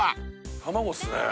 卵っすね。